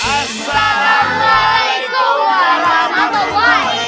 wah banyak tenang ini